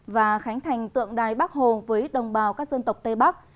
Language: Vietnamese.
và khánh thành tượng đài bắc hồ với đồng bào các dân tộc tây bắc